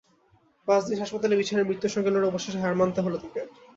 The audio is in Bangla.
পাঁচ দিন হাসপাতালের বিছানায় মৃত্যুর সঙ্গে লড়ে অবশেষে হার মানতে হলো তাঁকে।